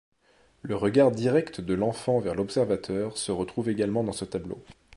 Le regard direct de l'enfant vers l'observateur se retrouve également dans ce tableau.